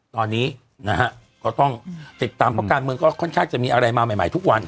ตอนนี้นะฮะก็ต้องติดตามเพราะการเมืองก็ค่อนข้างจะมีอะไรมาใหม่ทุกวัน